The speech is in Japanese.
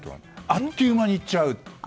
あっという間に行っちゃう。